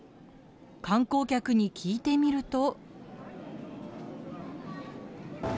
観光客に聞いてみると。